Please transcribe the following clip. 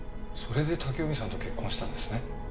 それで武臣さんと結婚したんですね。